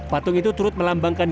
patung itu turut melambangkan